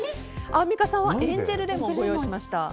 アンミカさんはエンジェルレモンご用意しました。